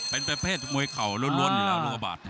เป็นประเภทมวยเข่าล้วนอยู่แล้วลูกกระบาด